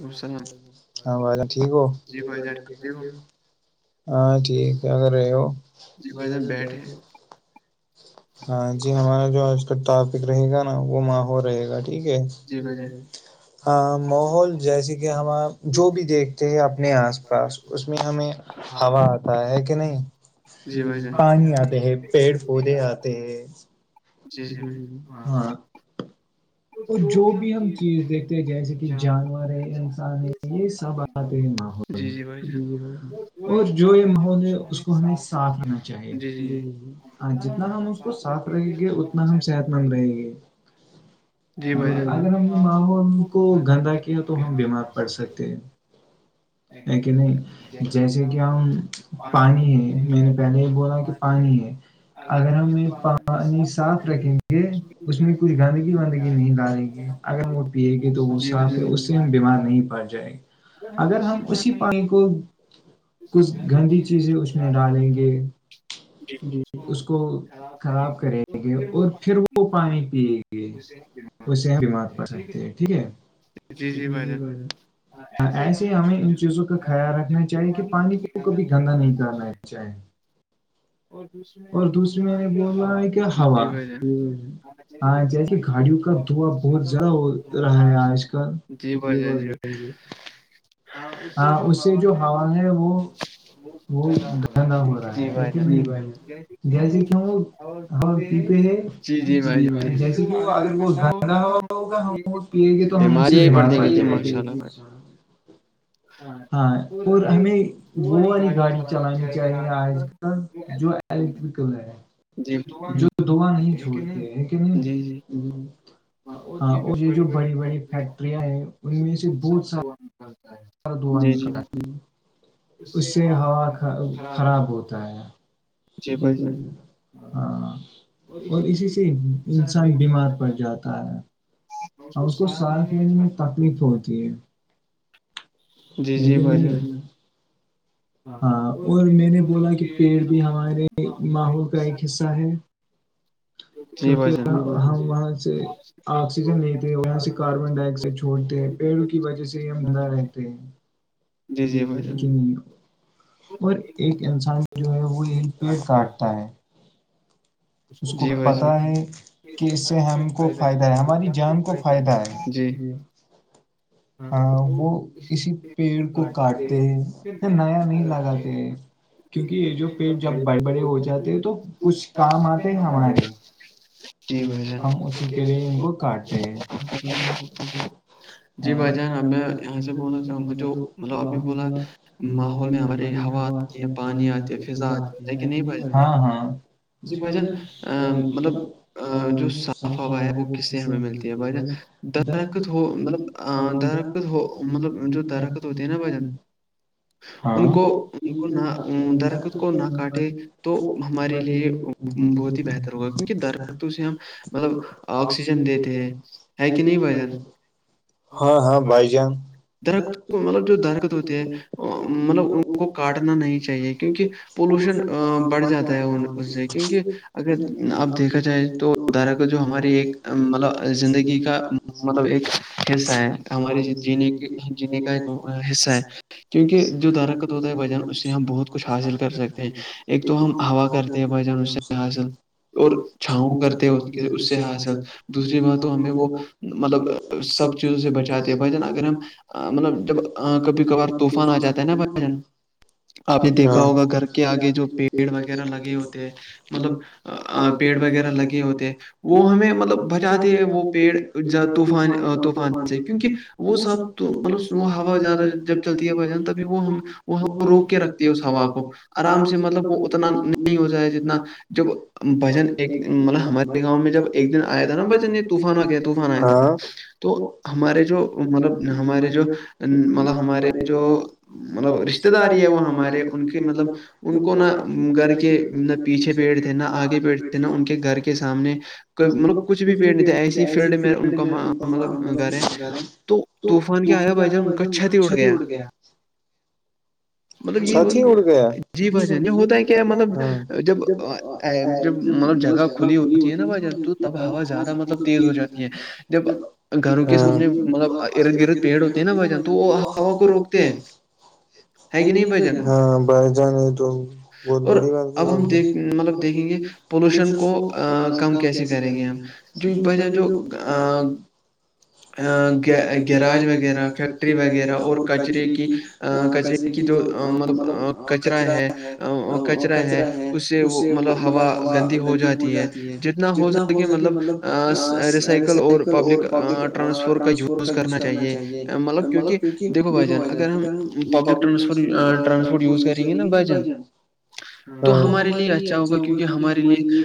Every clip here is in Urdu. امیکم ہاں ب ٹھیک ہو ہاں ٹھیک ہے اگر رہے ہو ہاں جی ہمارا جوج ٹاپک رہے گا نا وہ ماحول رہے گا ٹھیک ہے ہاں ماحول جیسے کہ ہم آ جو بھی دیکھتے ہیں اپنے آس پاس اس میں ہمیں ہوا آتا ہے کہ نہیں پانی آتے ہے پیڑ پودے آتے ہاں تو جو بھی ہم چیز دیکھتے ہیں جیسے کہ جانور ہے انسان ہے یہ سب آتے ہیں ماحول اور جو یہ ماحول ہے اس کو ہمیں صاف ہونا چاہیے ہاں جتنا ہم اس کو صاف رہیں گے اتنا ہم صحت مند رہیں گے ج اگر ہم نے ماحول کو گندا کیا تو ہم بیمار پڑ سکتے ہیں لیک نہیں جیسے کہ ہم پانی ہے میں نے پہلے یہ بولا کہ پانی ہے اگر ہم پانی صاف رکھیں گے اس میں کوئی گنے بندگی نہیں ڈالے گی اگر ہم وہ پییں گے تو وہ صاف ہے اس سے ہم بیمار نہیں پڑ جائےیں گے اگر ہم اسی پانی کو کچھ گندی چیزیں اس میں ڈالیں گے ج اس کو خراب کریں گے اور پھر وہ پانی پیے گے خچھ اسے بیمار پڑ سکتے ہے ٹھیک ہے ہاں ایسے ہی ہمیں ان چیزوں کا خیال رکھنا چاہیے کہ پانی کو کبھی گندا نہیں کرنا چاہیے [inaudible] اور ب کہ جی بھ جیسے گاڑیوں کا دھواں بہت زیادہ ہو رہا ہے آج کل یہ بڑ رہے ہاں اس سے جو ہوا ہے وہا ہو رہا ہے جی جی میں بیماریاں ہی پڑتییں گی جی ماشاء اللہ [inaudible] ہاں اور ہمیں وہ والی گاڑی چلانی چاہیے آج کل جو ا پک ہے جو دعا نہیں چھوڑتے ہیں کہنہ ہاں اور یہ جو بڑی بڑی فیکٹریاں ہیں ان میں سے بہت سارا ہ دعا نک اس سے ہوا خراب ہوتا ہے جی بھ ہاں اور اسی سے انسان بیمار پڑ جاتا ہے اور اس کو صاف لینے میں تکلیف ہوتی ہے جی جی بجے ہاں اور میں نے بولا کہ پیڑ بھی ہمارے ماحول کا ایک حصہ ہے ج کیونکہ ہم وہاں سے آکسیجن لیتے ہیں وہاں سے کاربن ڈائی آکسائڈ چھوڑتے ہیں پیڑوں کی وجہ سے ہم نہ رہتے ہیں جی جی ج اور ایک انسان جو ہے وہ یہی پیٹ کاٹتا ہے جی ویسے جی [inaudible] ہاں وہ اسی پیڑ کو کاٹتے ہیں پھر نیا نہیں لگاتے ہیں کیونکہ یہ جو پیٹ جب بڑے بڑے ہو جاتے تو کچھ کام آتے ہیں ہمارے ہم اسی کے لیے ان کو کاٹتے ہیں ج ب تو ب م ہو میں ہم یہ ہا تی پانی آتے پزا آتی ہے نہیںاں ہاں جی ب جیں ا مطلب جو صاف ہوا ہے وہ پھسے ہونے لگتی ہےہ درت وہ مطلب درا ک درا ک ہوتی ہے نا مے ہاں ان کو ان کو نہ در کو نہ کاٹے وہ ہمارے لیے بہ ب مل آکسیجن دیتے ہیں ہے کہ نہیں م ہاں ہاں بھائی جان درخت مطلب جو درخت ہوتے ہیں مطلب ان کو کاٹنا نہیں چاہیے کیونکہ پولوشن بڑھ جاتا ہے ان سے کیونکہ اگر آپ دیکھا تو دارا کا جو ہماری ایک مطلب زندگی کا مطلب ایک حصہ ہے ہماری جینے کی جینے کا ایک حصہ ہے کیونکہ جو درکت ہوتا ہے بھجن اس سے ہم بہت کچھ حاصل کر سکتے ہیں ایک تو ہم ہوا کرتے ہیں بائی جان سے اچ سر اور چھاؤں کرتے وقت اس سے ہا سر دوسری بات تو ہم نے وہ مطلب [inaudible] سب چیزوں سے بچاتے بھائی نا اگر ہم مطلب جب کبھی کبھار طوفان آ [inaudible] جات نا ہو جان [inaudible] آپ نے دیکھا ہوگا گھر کے آگے جو پیڑ وغیرہ لگے ہوتے ہیں مطلب پیڑ وغیرہ لگے ہوتے وہ ہمیں مطلب بجاتے ہیں وہ پیڑ طوفان طوفان سے کیونکہ وہ سب تو مطلب وہ ہوا زیادہ جب چلتی ہے تبھی وہ وہ روک کے رکھتی ہے اس ہوا کو آرام سے مطلب وہ اتنا نہیں ہو جائے جتنا جب بھجن ایک مطلب ہمارے گاؤں میں جب ایک دن آیا تھا نا بچ طوفان کیا طوفان آیا تھا [inaudible] تو ہمارے جو مطلب ہمارے جو مطلب ہمارے جو [inaudible] مطلب رشتے داری ہے وہ ہمارے ان کے مطلب ان کو نہ گھر کے نہ [inaudible] پیچے بیٹتے نا آگے بیٹھتے [inaudible] ان کے گھر کے سامنے کوئی مطلب کچھ بھی پیڑ نہیں تھا ایسی فیلڈ میں ان کو مطلب گھر ہیں تو طوفان کیا آیا بھائی جان ان کا چھت ہی اٹھ گیا مطلب یہ ہو گیا جی بھائی جان یہ ہوتا ہے کیا مطلب جب جب مطلب جگہ کھلی ہوتی ہے نا بھائی جنتو تب ہوا زیادہ مطلب تیز ہو جاتی ہے جب گھروں کے سامنے مطلب ارد گرد پیڑ ہوتے ہیں نا بھ جان تو وہ ہوا کو روکتے ہیں نہیں ہاں بار جانے تو بہت بڑی بات اور ہم دیک مطلب دیکھیں گے پولوشن کو کم کیسے کریں گے ہم جو ب جو آ [inaudible] ا گراج وغیرہ فیکٹری وغیرہ اور کچرے کی کچرے کی جو مطلب کچرا ہے [inaudible] کچرا ہے اس سے وہ مطلب ہوا گندی ہو جاتی ہے جتنا ہو سکے مطلب ریسائیکل اور پبلک ٹرانسپورٹ کا یوز کرنا چاہیے مطلب کیونکہ دھو بائی جان پپٹ ز کریں گی ن ب چانس تو ہمارے لیے اچھا ہوگا کیونکہ ہمارے لیے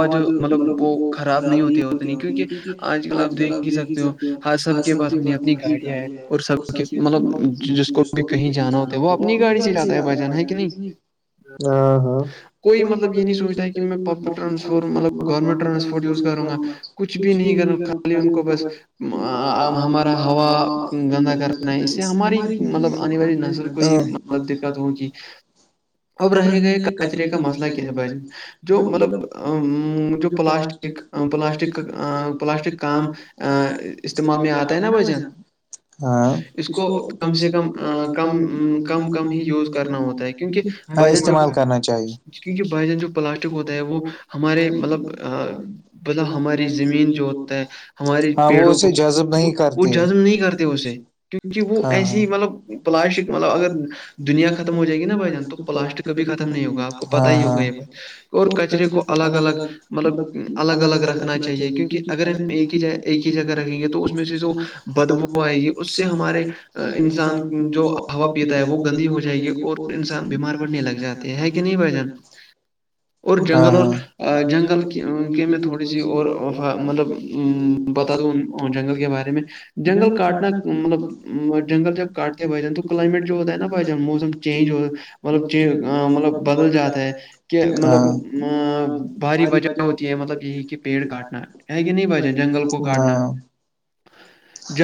ہوا جو مطلب وہ خراب نہیں ہوتی ہوتی کیونکہ آج کل آپ دیکھ ہی سکتے ہو ہر سب کے پاس انی گاڑیاں ہیں اس سب کی مطلب جس کو بھی کہیں جانا ہوتا ہے وہ اپنی گاڑی سے جاتدا ہے پ جان میں کہ نہیں ہاں ہاں کوئی مطلب یہ نہیں سوچتا کہر وں گا کچھ بھی نہیں کرنا خالی ان کو بس ہمارا ہوا ل کرنا اس سے ہماری مطلب آنے والی م ملب دقت ہوتی اب رہے گئے کچرے کا مسئلہ کیانے ب جو مطلب جو پلاسٹک پلاسٹک پلاسٹک کام استعمال میں آتا ہے نا بسان ہاں اس کو کم سے کم کم کم کم ہی یوز کرنا ہوتا ہے کیک ہاں استعمال کرنا چاہیے کیکہ ب جو پلاسٹک ہوتا ہے وہ ہمارے مطلب [inaudible] ب ہماری زمین جو ہوتا ہے وہے جذب نہیں کرتی جب نہیں کرتے اسے کیونکہ وہ مب ب اگر دنیا ختم ہو جائے گی نا [inaudible] پلاسٹک کبھی ختم نہیں ہوگاا اور کچرے کو الگ الگ مطلب الگ الگ رکھنا چاہیے کیونکہ اگر ہم ایک ہی ایک ہی جگہ رکھیں گے تو اس میں سے جو بدبو آئے ہے اس سے ہمارے انسان جو ہوا پیتا ہے وہ گندی ہو جائے گی اور انسان ب بیمار پ نہیں لگاتتے ہیں ہے کہ نہیں رہ اور جنگل ان تھوڑی سی اور مطلب بتا دووں جنگل کے بارے میں جنگل کاٹنا مطلب جنگل جب کاٹنا تو کلائمیٹ جو ہوتا ہے نا موسم چج مطلب چ مطلب بدل جاتا ہے کہ ا [inaudible] باری وجہ ہوتی ہے مطلب یہیں کے پیڑ کاٹنا ہے کہ نہیں بج جنگل کو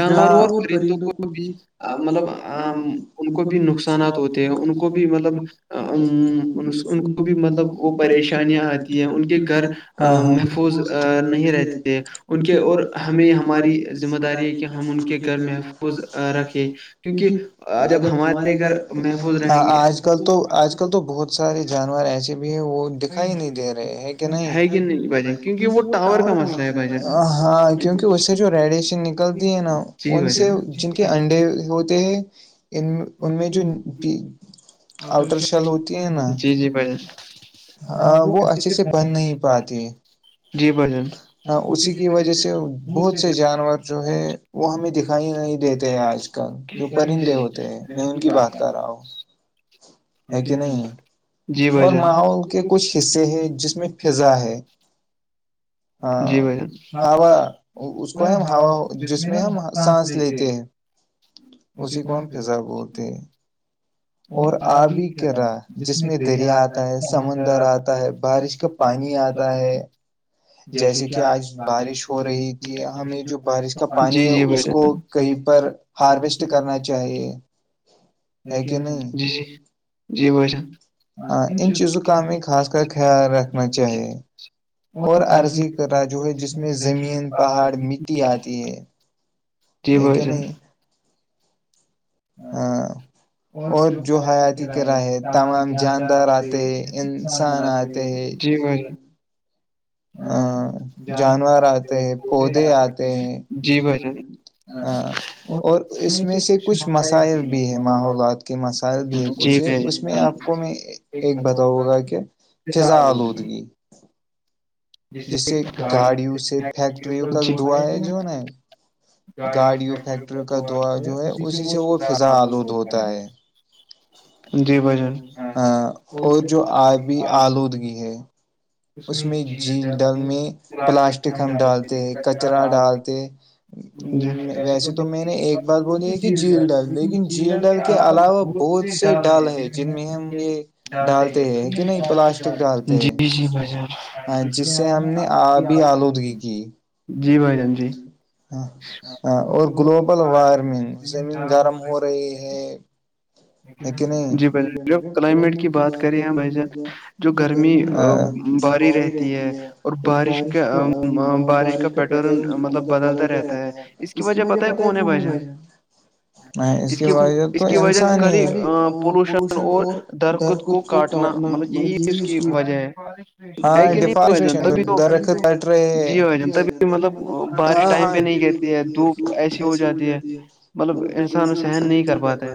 جہ اور پرندوں کو بھی مطلب ان کو بھی نقصانات ہوتے ان کو بھی مطلب ان کو بھی مطلب وہ پریشانیاں آتی ہیں ان کے گھر ہاں محفوظ نہیں رہتے ان کے اور ہمیں ہماری ذمہ داری ہے کہ ہم ان کے گھر محفوظ رکھیں کیونکہ جب ہمارے گھر آج کل تو آج کل تو بہت سارے جانور ایسے بھی ہیں وہ دکھائی نہیں دے رہے ہیں نہیں ہاں کیونکہ اس سے جو ریڈ نکلتی ہے نا ان سے جن کے انڈے ہوتے ہیں ان ان میں جو آؤٹر شیل ہوتی ہے نا ہاں وہ اچھے سے بن نہیں پاتی ہے جی بھ ہاں اسی کی وجہ سے بہت سے جانور جو ہے وہ ہمیں دکھائی نہیں دیتے ہیں آج کل جو پرندے ہوتے ہیں میں ان کی بات کر رہا ہوں ہاں ایک نہیں جی بھائیان کچصے ہیں جس میںزا جی بھائی جس میں نا سانس لے کے اسی کون خیزات؟ اور آگ بھی ک رہا جس میں دیا آتا ہے سمندر آتا ہے بش پانی آ رہا ہے جیسے کہ آج بارش ہو رہی تھی ہمیں جو جی جی بھ صحی پر آس کرنا چاہیے ہے کہ نہیں ہاں ان چیزوں کا ہمیں خاص کر خیال رکھنا چاہیے اور عرضی کر رہا جو ہے جس میں زمین پہاڑ مٹی آتی ہے لیکن ہاں اور جو حیاتی کرا ہے تمام جاندار آتے ہیں انسان آتے ہیں جی ہ ج ا جانور آتے ہیں پودے آتے ہیں ج ب ہ اور اس میں سے کچھ مسئلہ مسائل بھی ہے ماحولات کے مسائل بھی ہے کچھ ہے اس میں آپ کو میں ایک بتاؤں گا کہ کسان ہوگ گی جس سے گاڑیوں سے فیکٹریوں کا دعا ہے جونا ہے گاڑیو فیکٹری کا دعا جو ہے اسی سے وہ فضا آلود ہوتا ہے جی ب ہاں اور جو آبی آلودگی ہے اس میں جل ڈل میں پلاسٹک ہم ڈالتے ہیں کچرا ڈالتے ویسے تو میں نے ایک بات بولی ہے کہ جھیل ڈل لیکن جھیل ڈل کے علاوہ بہت سے ڈال ہے جن میں ہم یہ ڈالتے ہیں کہ نہیں پلاسٹک ڈالتے ہیں ہاں جس سے ہم نے ابھی آلودگی کی ج بھ ہاں ہاں اور گلوبل وارمنگ زمین گرم ہو رہی ہے جی بھائیان جو کلائمیٹ کی بات کرے ہیں بھائی جان جو گرمی بھاری رہتی ہے اور بارش کا بارش کا پیٹورن مطلب بدلتا رہتا ہے اس کی وجہ پتہ ہے کون ہے بائیجان اس کی اس کی وجہ کی پولوشن اور درخت کو کاٹنا مطلب یہی اس کی وجہ ہے ہے کہ نہیں بھ جان تبھی تو جی بھ جان تبھی مطلب بارش ٹائم پہ نہیں گئےتے دھوپ ایسی ہو جاتی ہے مطلب انسان سہن نہیں کر پاتے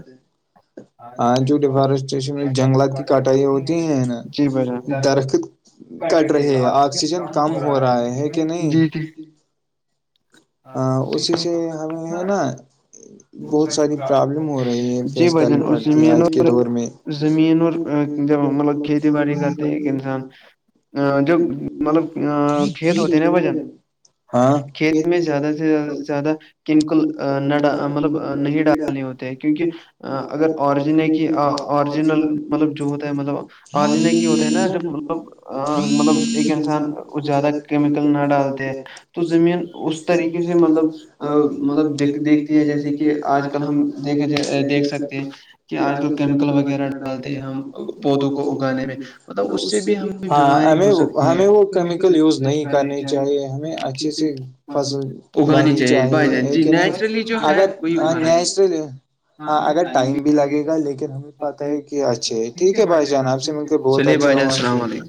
ہاں جو ڈیفارسٹریشن جنگلات کی کٹائی ہوتی ہیں نا درخت کٹ رہے ہے آکسیجن کم ہو رہا ہے ہے کہ نہیں ہ اسی سے ہمیں ہے نا بہت ساری پرابلم ہو رہی ہے فیس کرنی پڑتی ہے آج کے دور میں مطلب کھیتی باڑی کرتے ا جوب مطلب ک ہوتے ن بجان کھیت میں زیادہ سے زیادہ کیمکل نا مطلب نہیں ڈالنی ہوتی ہے کیونکہ اگر اوریجنل کی اوریجنل مطلب جو ہوتا ہے مطلب آرجنک ہی ہوتا ہے نا جب مطلب مطلب ایک انسان زیادہ کیمیکل نہ ڈالتے ہیں تو زمین اس [unintelligible] طریقے سے مطلب مطلب د دیکتی ہے جیسے [unintelligible] کہ آج کل ہم دیکھ دیکھ سکتے ہیں کہ آج کل کیمیکل وغیرہ ڈالتے ہیں ہم [unintelligible] پودوں کو اگانے میں اس سے بھی ہ ہم وہ ہمیں وہ [unintelligible] یوز نہیں کرنی چاہیے ہمیں اچھے سے فصل اگانی چاہیے ہے کہ نہیں اگر نیچرل [unintelligible] ہاں اگر ٹائم بھی لگے گا لیکن ہمیں پتہ ہے کہ اچھے ہے ٹھیک ہے بھائی جان آپ سے مج بہت اچھا ہاں ٹھیک ہے